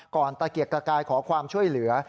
ตะเกียกตะกายขอความช่วยเหลือ